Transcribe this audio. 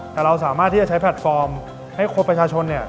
แต่เราสามารถที่จะใช้แพลตฟอร์มให้ประชาชนเนี่ย